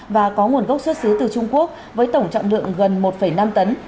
và có nguồn gốc xuất xứ từ trung quốc với tổng trọng lượng gần một năm tấn